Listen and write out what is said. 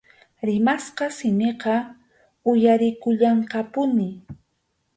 Rimasqa simiqa uyarikullanqapuni.